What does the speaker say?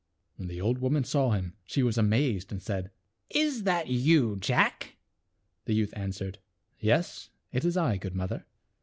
When the old woman saw him she was amazed and said, " Is that you, Jack ?" The youth an swered, " Yes, it is I, good mother."